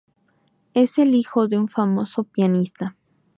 Es el hijo de un famoso pianista.